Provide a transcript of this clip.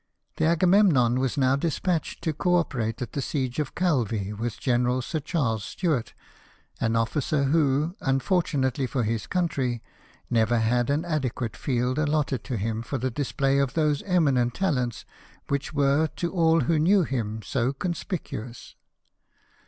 The Agamemnon was now despatched to co operate at the siege of Calvi with General Sir Charles Stuart, an officer who, unfortunately for his country, never had an adequate field allotted him for the display of those eminent talents which were, to all who knew him, so conspicuous."